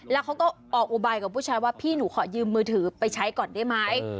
แล้วเขาก็ออกอุบายกับผู้ชายว่าพี่หนูขอยืมมือถือไปใช้ก่อนได้ไหม